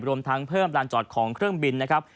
รวมทั้งเพิ่มลานจอดของเครื่องบินนะครับ